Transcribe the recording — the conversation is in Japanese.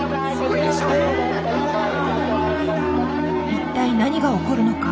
一体何が起こるのか？